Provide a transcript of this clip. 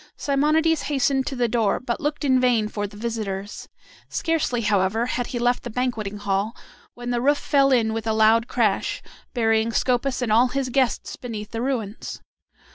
Simonides hastened to the door, but looked in vain for the visitors. Scarcely, however, had he left the banqueting hall when the roof fell in with a loud crash, burying Scopas and all his guests beneath the ruins.